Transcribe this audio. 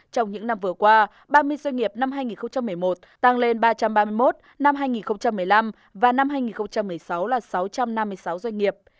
trong những năm vừa qua ba mươi doanh nghiệp năm hai nghìn một mươi một tăng lên ba trăm ba mươi một năm hai nghìn một mươi năm và năm hai nghìn một mươi sáu là sáu trăm năm mươi sáu doanh nghiệp